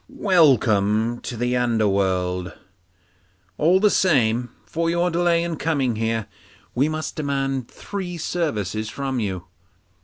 Welcome to the underworld! All the same, for your delay in coming here, we must demand three services from you.